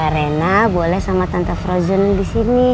rena boleh sama tante frodion disini